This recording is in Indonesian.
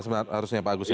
sebenarnya harusnya bagus ya